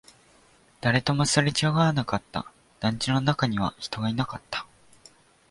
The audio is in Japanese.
誰ともすれ違わなかった、団地の中には人がいなかった